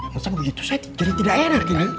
masa begitu saya jadi tidak enak